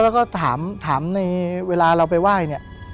แล้วก็ถามในเวลาเราไปไหว้เนี่ย